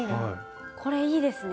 これいいですね。